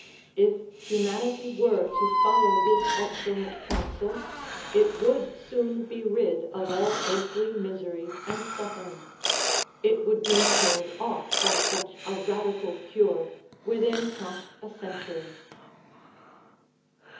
If humanity were to follow this excellent counsel, it would soon be rid of all earthly misery and suffering ; it would be killed off by such a " radical cure " within half a century.